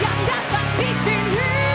yang datang di sini